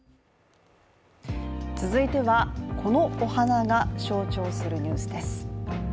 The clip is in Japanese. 続いては、このお花が象徴するニュースです。